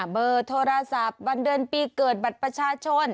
เบอร์โทรศัพท์วันเดือนปีเกิดบัตรประชาชน